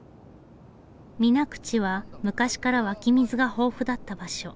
水口は昔から湧き水が豊富だった場所。